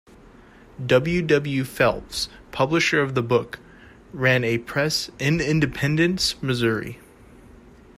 W. W. Phelps publisher of the book, ran a press in Independence, Missouri.